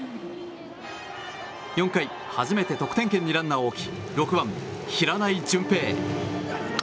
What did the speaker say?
４回初めて得点圏にランナーを置き６番、平内純兵。